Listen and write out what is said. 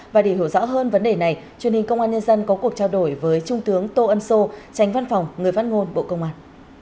và để hiểu rõ hơn vấn đề này truyền hình công an nhân dân có cuộc trao đổi với trung tướng tô ân sô tránh văn phòng người phát ngôn bộ công an